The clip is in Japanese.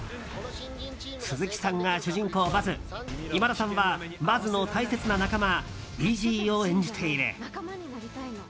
鈴木さんが主人公バズ今田さんはバズの大切な仲間イジーを演じている。